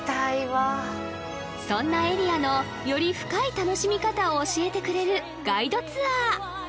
そんなエリアのより深い楽しみ方を教えてくれるガイドツアー